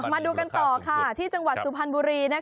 มาดูกันต่อค่ะที่จังหวัดสุพรรณบุรี